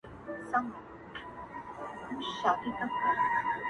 هغې ته تېر ياد راځي ناڅاپه-